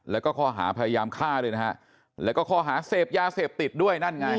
แล้วก็ข้อหาพยายามฆ่าด้วยนะฮะแล้วก็ข้อหาเสพยาเสพติดด้วยนั่นไง